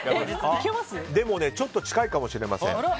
でも、ちょっと近いかもしれません。